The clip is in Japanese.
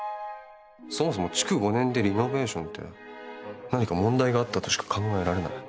そもそも築５年でリノベーションって何か問題があったとしか考えられない。